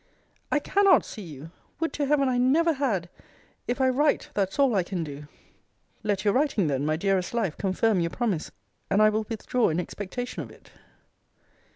I cannot see you! Would to Heaven I never had! If I write, that's all I can do. Let your writing then, my dearest life, confirm your promise: and I will withdraw in expectation of it.